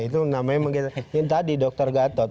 itu namanya mungkin tadi dokter gatot